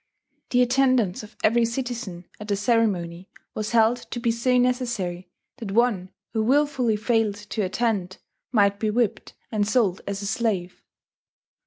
The attendance of every citizen at the ceremony was held to be so necessary that one who wilfully failed to attend might be whipped and sold as a slave.